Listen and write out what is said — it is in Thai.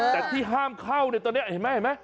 แต่ที่ห้ามเข้าเนี่ยตอนนี้เห็นไหม